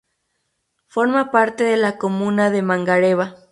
Forma parte de la comuna de Mangareva.